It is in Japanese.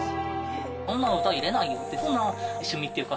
あんな歌入れないよってそんな趣味っていうか